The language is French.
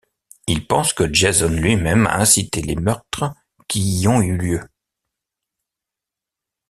Il pense que Jason lui-même a incité les meurtres qui y ont eu lieu.